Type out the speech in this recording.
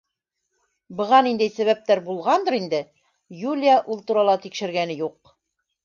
Быға ниндәй сәбәптәр булғандыр инде, Юлия ул турала тикшергәне юҡ.